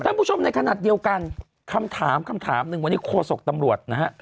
คุณผู้ชมในขณะเดียวกันคำถามคำถามหนึ่งวันนี้โฆษกตำรวจนะฮะ